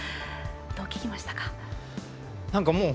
どう聞きましたか？